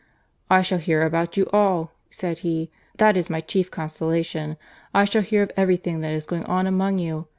"I shall hear about you all," said he; "that is my chief consolation. I shall hear of every thing that is going on among you.